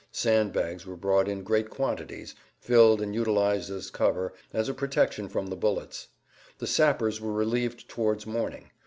Sand bags were brought in great quantities, filled and utilized as cover, as a protection from the bullets. The sappers were relieved towards morning.